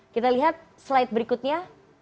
kita lihat slide berikutnya